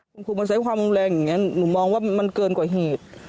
คุณครูมันใช้ความรุนแรงอย่างนี้หนูมองว่ามันเกินกว่าเหตุ